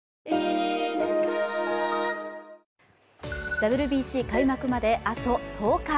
ＷＢＣ開幕まで、あと１０日。